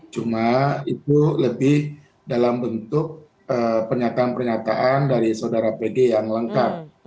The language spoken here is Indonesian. cuma itu lebih dalam bentuk pernyataan pernyataan dari saudara pg yang lengkap